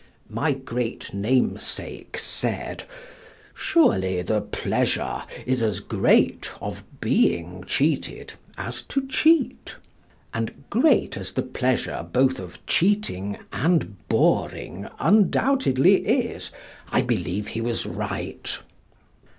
My great namesake said, "Surely the pleasure is as great of being cheated as to cheat," and great as the pleasure both of cheating and boring undoubtedly is, I believe he was right.